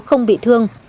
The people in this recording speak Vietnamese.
không bị thương